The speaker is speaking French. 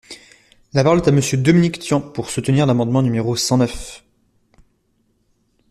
La parole est à Monsieur Dominique Tian, pour soutenir l’amendement numéro cent neuf.